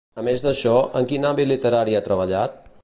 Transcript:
A més d'això, en quin àmbit literari ha treballat?